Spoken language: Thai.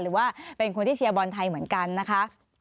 หรือว่าเป็นคนที่เชียร์บอลไทยเหมือนกันนะคะ